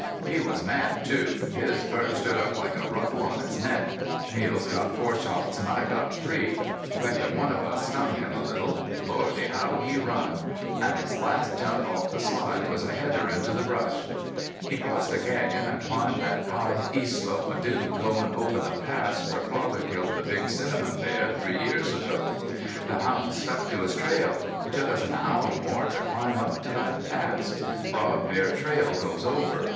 He was mad, too. His fur stood up like a ruffle on his neck. Niels got four shots an' I got three. Reckon one of us stung him a little. Lordy, how he run! An' his last jump off the slide was a header into the brush. He crossed the canyon, an' climbed thet high east slope of Dude, goin' over the pass where father killed the big cinnamon three years ago. The hounds stuck to his trail. It took us an hour or more to climb up to thet pass. Broad bear trail goes over.